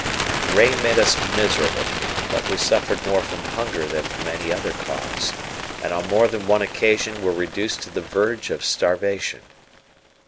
The rain made us miserable, but we suffered more from hunger than from any other cause, and on more than one occasion were reduced to the verge of starvation.